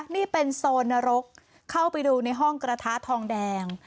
นี่เป็นโซนนรกเข้าไปดูในห้องกระทะทองแดง